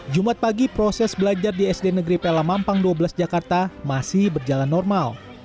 jumat pagi proses belajar di sd negeri pelamampang dua belas jakarta masih berjalan normal